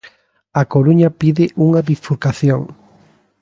A Coruña pide unha bifurcación.